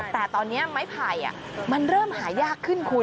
แต่ตอนนี้ไม้ไผ่มันเริ่มหายากขึ้นคุณ